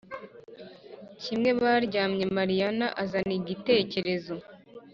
kimwe baryamye Mariyana azana igitekerezo